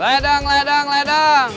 ledang ledang ledang